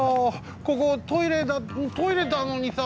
ここトイレなのにさ